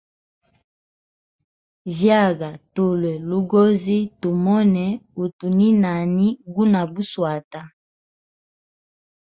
Vyaga tulwe logozi tumone utu ni nani guna buswata.